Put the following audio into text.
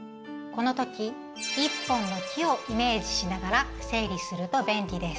このとき一本の木をイメージしながら整理すると便利です。